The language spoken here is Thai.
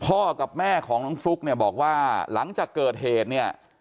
กับแม่ของน้องฟลุ๊กเนี่ยบอกว่าหลังจากเกิดเหตุเนี่ย